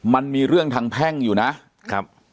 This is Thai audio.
มันมีเรื่องทางแพ่งอยู่นะครับ